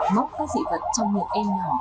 móc các dị vật trong miệng em nhỏ